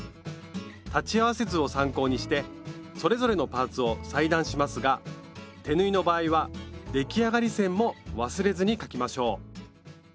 裁ち合わせ図を参考にしてそれぞれのパーツを裁断しますが手縫いの場合は出来上がり線も忘れずに描きましょう。